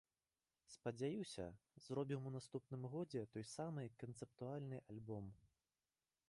Спадзяюся, зробім у наступным годзе той самы канцэптуальны альбом.